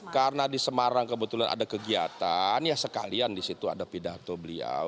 karena di semarang kebetulan ada kegiatan ya sekalian di situ ada pidato beliau